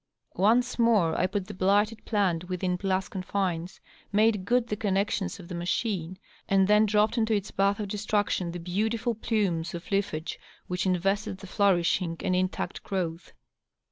Once more I put the blighted plant within glass confines, made good the connections of the machine, and then dropped into its bath of destruction the beautiful plumes of lea&ge which invested the flourishing and intact growth.